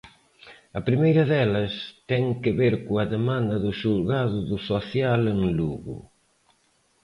A primeira delas ten que ver coa demanda do Xulgado do Social en Lugo.